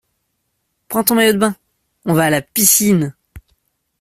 Prends ton maillot de bain, on va à la piscine!